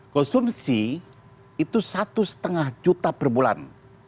konsumsi itu satu lima juta per bulan